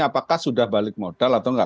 apakah sudah balik modal atau enggak